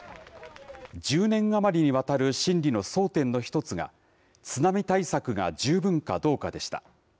１０年余りにわたる審理の争点の一つが津波対策が十分かどうかでした。